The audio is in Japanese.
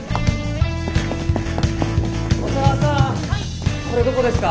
小佐川さんこれどこですか？